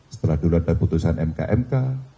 setelah dulu ada keputusan mk mk